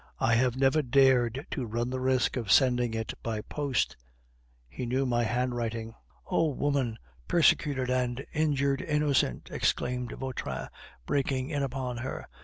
I have never dared to run the risk of sending it by post; he knew my handwriting " "'Oh woman, persecuted and injured innocent!'" exclaimed Vautrin, breaking in upon her.